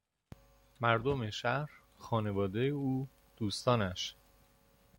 مردم شهر ، خانواده او ، دوستانش